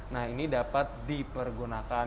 nah ini dapat dipergunakan